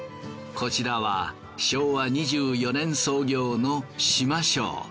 こちらは昭和２４年創業の島正。